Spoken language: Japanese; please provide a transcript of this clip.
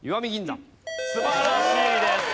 素晴らしいです。